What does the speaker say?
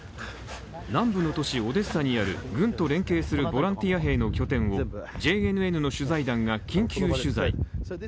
南部の都市オデッサにある軍と連携するボランティア兵の拠点をＪＮＮの取材団が緊急取材。